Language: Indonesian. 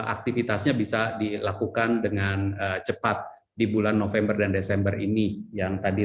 aktivitasnya bisa dilakukan dengan cepat di bulan november dan desember ini yang tadi